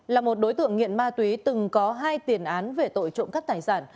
là một đối tượng nghiện ma túy từng có hai tiền án về tội trộm cắt tài sản